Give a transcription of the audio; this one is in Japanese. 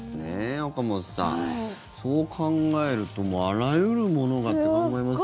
岡本さん、そう考えるとあらゆるものと考えられますね。